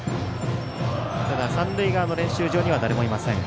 三塁側の練習場には誰もいません。